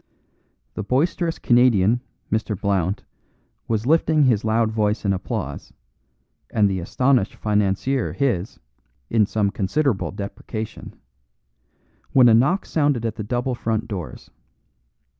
The boisterous Canadian, Mr. Blount, was lifting his loud voice in applause, and the astonished financier his (in some considerable deprecation), when a knock sounded at the double front doors.